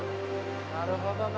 なるほどな。